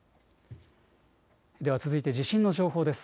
では続いて地震の情報です。